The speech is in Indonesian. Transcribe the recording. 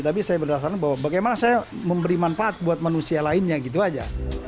tapi saya berdasarkan bahwa bagaimana saya memberi manfaat buat manusia lainnya gitu aja